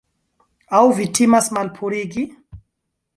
Aŭ vi timas malpurigi?